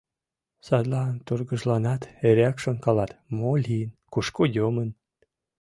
Садлан тургыжланат, эреак шонкалат: мо лийын? кушко йомын?